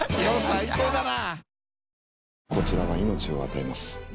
最高だな。